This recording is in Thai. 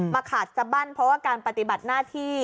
ขาดสบั้นเพราะว่าการปฏิบัติหน้าที่